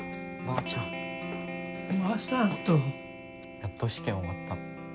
やっと試験終わった。